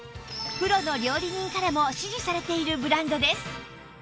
プロの料理人からも支持されているブランドです